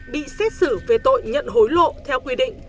bị xét xử về tội nhận hối lộ theo quy định